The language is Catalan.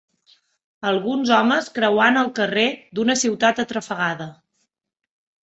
Alguns homes creuant el carrer d"una ciutat atrafegada.